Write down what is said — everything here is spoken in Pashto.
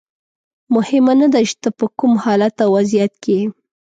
مهمه نه ده چې ته په کوم حالت او وضعیت کې یې.